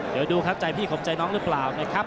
เด้อดูครับใจพี่ขอบใจน้องรึปล่าวนะครับ